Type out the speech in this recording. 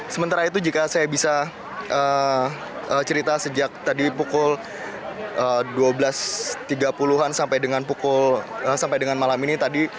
sementara itu jika saya bisa cerita sejak tadi pukul dua belas tiga puluh an sampai dengan pukul sampai dengan malam ini tadi